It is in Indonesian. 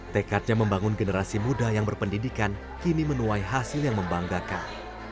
tekadnya membangun generasi muda yang berpendidikan kini menuai hasil yang membanggakan